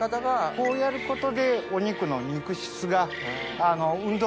こうやることでお肉の肉質が。